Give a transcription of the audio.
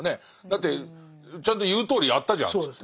だってちゃんと言うとおりやったじゃんっつって。